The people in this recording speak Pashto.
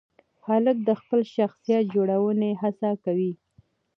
هلک د خپل شخصیت جوړونې هڅه کوي.